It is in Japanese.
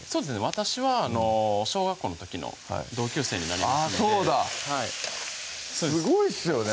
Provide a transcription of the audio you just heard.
私は小学校の時の同級生になりますのでそうだすごいっすよね